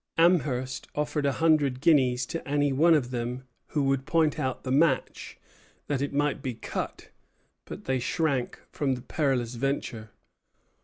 Amherst offered a hundred guineas to any one of them who would point out the match, that it might be cut; but they shrank from the perilous venture.